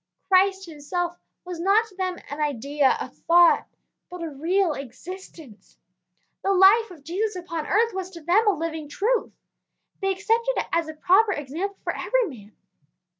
Christ himself was not to them an idea, a thought, but a real existence. The life of Jesus upon earth was to them a living truth. They accepted it as a proper example for every man.